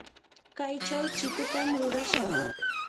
kaychaw chikutam rurashaq.